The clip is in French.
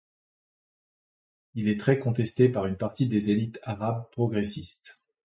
Il est très contesté par une partie des élites arabes progressistes.